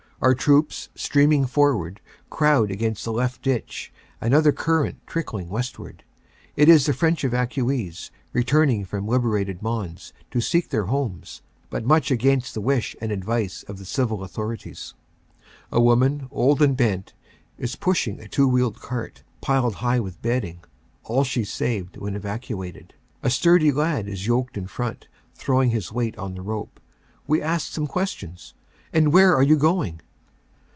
Our troops, streaming forward, crowd against the left ditch another current trickling westward. It is the French evacuees, returning from liberated Mons to seek their homes but much against the wish and advice of the civil authorities. NO MAN S LAND 181 A woman, old and bent, is pushing a two wheeled cart, piled high with bedding, all she saved when evacuated. A sturdy lad is yoked in front, throwing his weight on the rope. We ask some questions. .. "And where are you going?"